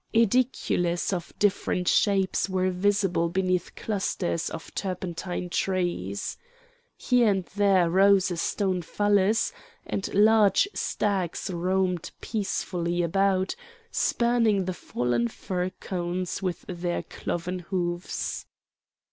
Aedicules of different shapes were visible beneath clusters of turpentine trees. Here and there rose a stone phallus, and large stags roamed peacefully about, spurning the fallen fir cones with their cloven hoofs.